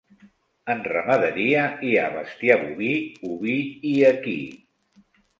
En ramaderia, hi ha bestiar boví, oví i equí.